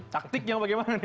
taktik yang bagaimana